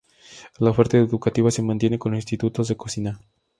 La oferta educativa se mantiene con institutos de cocina.